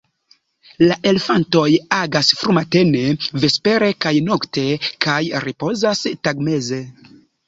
La elefantoj agas frumatene, vespere kaj nokte kaj ripozas tagmeze.